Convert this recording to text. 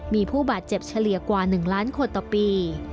มีผู้บาดเจ็บเฉลี่ยกว่า๑ล้านคนต่อปี